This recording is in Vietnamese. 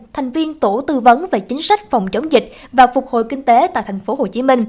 thành viên tổ tư vấn về chính sách phòng chống dịch và phục hồi kinh tế tại tp hcm